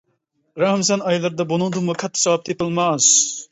رامىزان ئايلىرىدا بۇنىڭدىنمۇ كاتتا ساۋاب تېپىلماس.